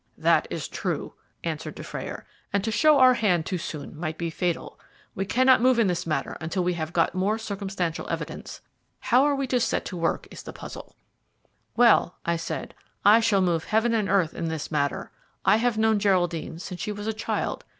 "That is true," answered Dufrayer, "and to show our hand too soon might be fatal. We cannot move in this matter until we have got more circumstantial evidence. How we are to set to work is the puzzle!" "Well," I said, "I shall move Heaven and earth in this matter. I have known Geraldine since she was a child.